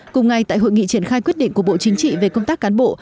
cùng ngày tại hội nghị triển khai quyết định của bộ chính trị về công tác cán bộ